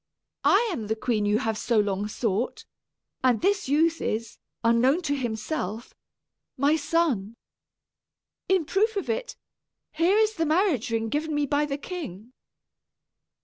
I am the queen you have so long sought, and this youth is, unknown to himself, my son. In proof of it, here is the marriage ring given me by the king."